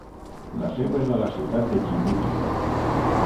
La seu és a la ciutat de Djibouti.